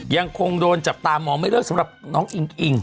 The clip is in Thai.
ยังคงโดนจับตามองไม่เลิกสำหรับน้องอิงอิง